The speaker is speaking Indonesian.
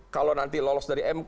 kalau nanti lolos dari mk